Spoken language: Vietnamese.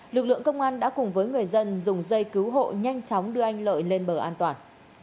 lực lượng công an đã cùng với người dân dùng dây cứu hộ nhanh chóng đưa anh lợi lên bờ an toàn